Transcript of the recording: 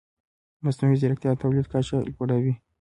مصنوعي ځیرکتیا د تولید کچه لوړه وي.